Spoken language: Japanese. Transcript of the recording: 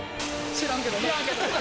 知らんけど。